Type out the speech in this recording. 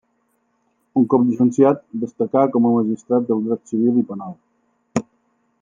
Un cop llicenciat, destacà com a magistrat de dret civil i penal.